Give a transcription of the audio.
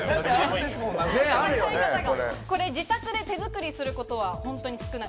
これ、自宅で手作りすることは本当に少ない。